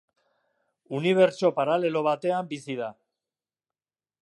Unibertso paralelo batean bizi da.